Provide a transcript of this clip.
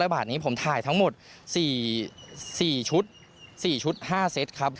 บาทนี้ผมถ่ายทั้งหมด๔ชุด๔ชุด๕เซตครับ